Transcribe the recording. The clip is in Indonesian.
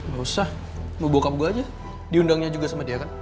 gak usah mau bokap gue aja diundangnya juga sama dia kan